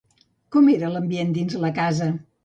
Com era l'ambient dins la casa?